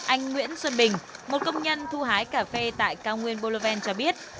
anh nguyễn xuân bình một công nhân thu hái cà phê tại cao nguyên bolerven cho biết